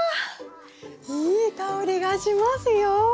いい香りがしますよ！